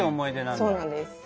そうなんです。